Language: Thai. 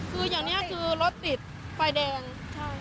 คืออย่างนี้คือรถติดไฟแดงใช่